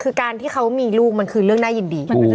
คือการที่เขามีลูกมันคือเรื่องน่ายินดี